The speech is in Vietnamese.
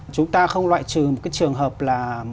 chúng ta không loại trừ một trường hợp là